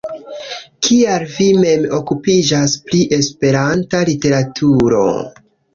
Kial vi mem okupiĝas pri Esperanta literaturo?